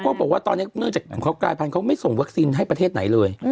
เขาบอกว่าตอนนี้เนื่องจากหนังเขากลายพันธุ์ไม่ส่งวัคซีนให้ประเทศไหนเลย